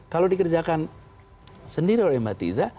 kalau dikerjakan sendiri oleh mbak tiza